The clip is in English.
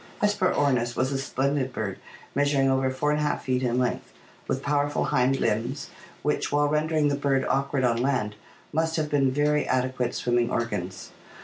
Hesperornis was a splendid bird measuring over 4^ feet in length, with powerful hind limbs which, while rendering the bird awkward on land, must have been very adequate swimming organs.